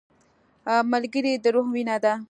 ملګری د روح وینه ده